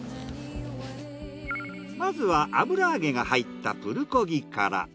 まずは油揚げが入ったプルコギから。